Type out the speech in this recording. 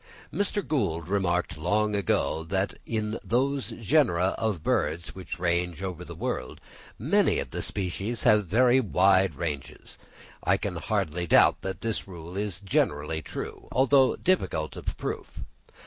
Mr. Gould remarked to me long ago, that in those genera of birds which range over the world, many of the species have very wide ranges. I can hardly doubt that this rule is generally true, though difficult of proof.